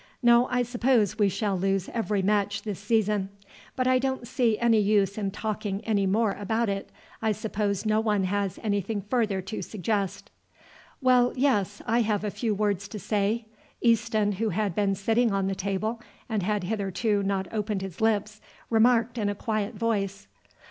No, I suppose we shall lose every match this season. But I don't see any use in talking any more about it. I suppose no one has anything further to suggest." "Well, yes, I have a few words to say," Easton, who had been sitting on the table and had hitherto not opened his lips, remarked in a quiet voice.